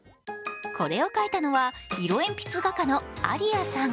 これを描いたのは色鉛筆画家のＡＲＩＡさん。